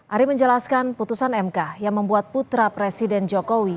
ari menjelaskan putusan mk yang membuat putra presiden jokowi